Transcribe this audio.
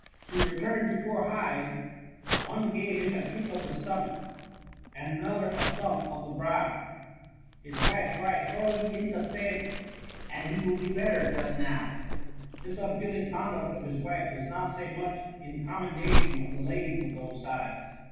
To return to poor Hyd( TH£ MUMMT« 18S ' One gave him a kick o' th' stomachy And another a thump o' th' hrow. His wife cried throw him i* th' stable^ And he will be better just now.' This unfeeling conduct of his wife does not say much in commendation of the ladies of those times.